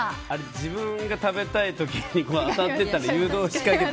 自分が食べたい時に当たってたら誘導しかけてる。